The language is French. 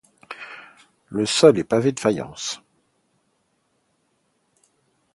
Le sol est pavé de faïence.